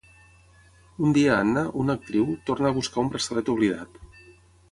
Un dia, Anna, una actriu, torna a buscar un braçalet oblidat.